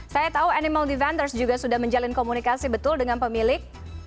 saya tahu animal defenders juga sudah menjalin komunikasi betul dengan pemilik